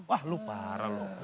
wah lo parah lo